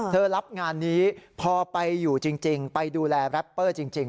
รับงานนี้พอไปอยู่จริงไปดูแลแรปเปอร์จริง